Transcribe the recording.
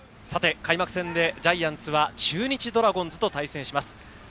開幕戦でジャイアンツは中日ドラゴンズと対戦します。